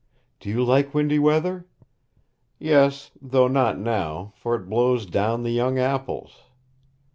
'Do you like windy weather?' 'Yes; though not now, for it blows down the young apples.'